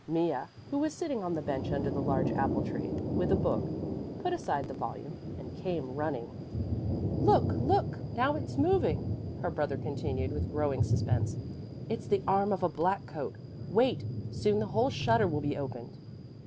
Mea, who was sitting on the bench under the large apple tree, with a book, put aside the volume and came running. "Look, look! Now it's moving," her brother continued with growing suspense. "It's the arm of a black coat; wait, soon the whole shutter will be opened."